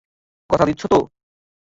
কথা দিচ্ছ তো?